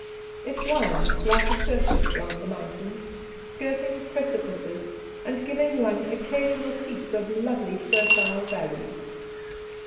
It winds like a serpent round the mountains, skirting precipices, and giving one occasional peeps of lovely fertile valleys.